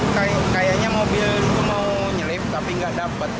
kayaknya mobil mau nyelip tapi nggak dapet